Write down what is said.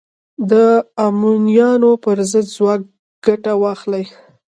د امویانو پر ضد ځواک ګټه واخلي